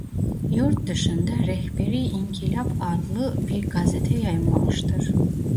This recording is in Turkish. Yurt dışında "Rehber-i İnkılâp" adlı bir gazete yayımlamıştır.